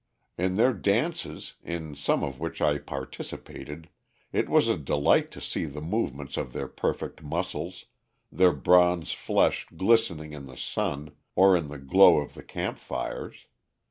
In their dances, in some of which I participated, it was a delight to see the movements of their perfect muscles, their bronze flesh glistening in the sun, or in the glow of the camp fires.